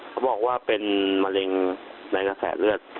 เขาบอกว่าเป็นมะเร็งในกระแสเลือด